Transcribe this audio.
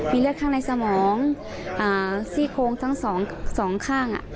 มีเลือดข้างในสมองเอ่อซี่โคงทั้งสองสองข้างอ่ะ